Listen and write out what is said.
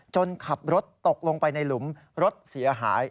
ขับรถตกลงไปในหลุมรถเสียหาย